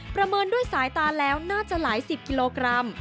เมินด้วยสายตาแล้วน่าจะหลายสิบกิโลกรัม